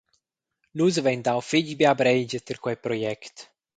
Nus havein dau fetg bia breigia tier quei project.